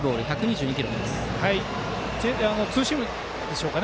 ツーシームでしょうか。